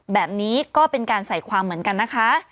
แบบนี้ก็เป็นการใส่ความเหมือนกันนะคะ